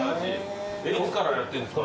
いつからやってんですか？